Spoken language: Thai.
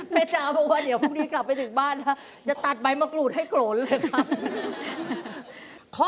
จ๋าบอกว่าเดี๋ยวพรุ่งนี้กลับไปถึงบ้านนะจะตัดใบมะกรูดให้โกรธเลยครับ